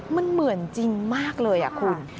มันเหมือนจริงมากเลยคุณ